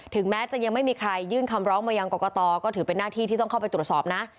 แม้จะยังไม่มีใครยื่นคำร้องมายังกรกตก็ถือเป็นหน้าที่ที่ต้องเข้าไปตรวจสอบนะ